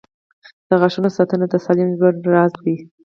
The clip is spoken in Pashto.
• د غاښونو ساتنه د سالم ژوند راز دی.